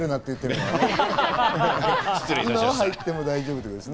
今は入っても大丈夫ということです。